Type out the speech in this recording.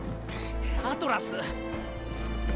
アトラス！